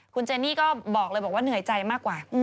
คุณเจนี่ก็บอกเลยบอกว่าเหนื่อยใจมากกว่า